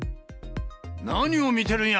何を見てるんや。